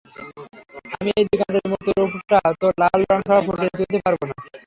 আমি এই দিগন্তের বিমূর্ত রূপটা তো লাল রং ছাড়া ফুটিয়ে তুলতে পারব না!